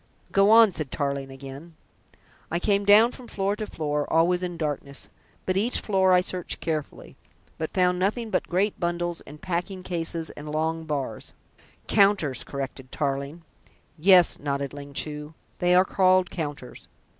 "Go on," said Tarling again. "I came down from floor to floor, always in darkness, but each floor I searched carefully, but found nothing but great bundles and packing cases and long bars " "Counters," corrected Tarling. "Yes," nodded Ling Chu, "they are called counters.